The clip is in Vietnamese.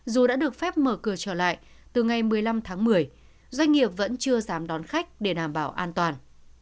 dù đã được phép mở cửa trở lại từ ngày một mươi năm tháng một mươi doanh nghiệp vẫn chưa dám đón khách để đảm bảo an toàn